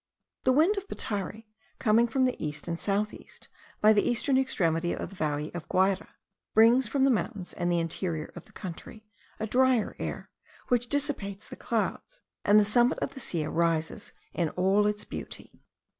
The wind of Petare coming from the east and south east, by the eastern extremity of the valley of the Guayra, brings from the mountains and the interior of the country, a drier air, which dissipates the clouds, and the summit of the Silla rises in all its beauty.